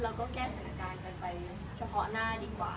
แล้วก็แก้สถานการณ์กันไปเฉพาะหน้าดีกว่า